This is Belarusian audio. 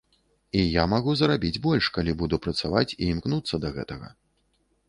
І я магу зарабіць больш, калі буду працаваць і імкнуцца да гэтага.